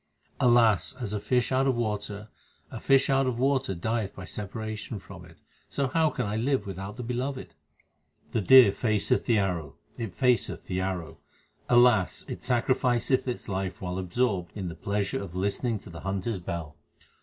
Alas ! as a fish out of water, a fish out of water dieth by separation from it, so how can I live without the Beloved ? The deer faceth the arrow, it faceth the arrow, alas ! it sacrificeth its life while absorbed in the pleasure of listening to the hunter s bell.